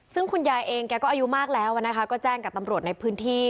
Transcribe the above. ซึ่งคุณยายเองแกก็อายุมากแล้วนะคะก็แจ้งกับตำรวจในพื้นที่